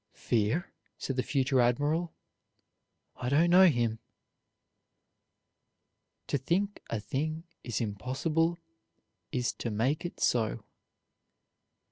"Fear?" said the future admiral, "I don't know him." "To think a thing is impossible is to make it so."